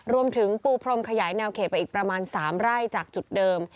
รวมถึงปูพรมขยายแนวเขตไปอีกประมาณ๓ไร่จากจุดเดิม